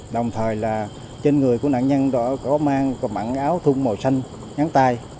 đồng thời là trên người của nạn nhân đó có mang có mặn áo thun màu xanh nhắn tay